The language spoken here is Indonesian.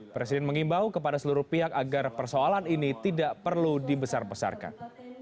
presiden mengimbau kepada seluruh pihak agar persoalan ini tidak perlu dibesar besarkan